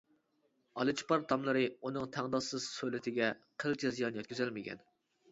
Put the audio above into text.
ئالىچىپار تاملىرى ئۇنىڭ تەڭداشسىز سۆلىتىگە قىلچە زىيان يەتكۈزەلمىگەن.